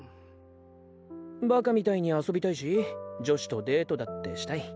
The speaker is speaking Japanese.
バカみたいに遊びたいし女子とデートだってしたい。